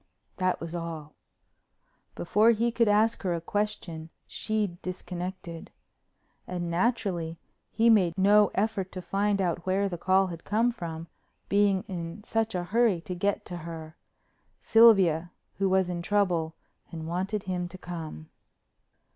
That was all. Before he could ask her a question she'd disconnected. And, naturally, he made no effort to find out where the call had come from, being in such a hurry to get to her—Sylvia who was in trouble and wanted him to come.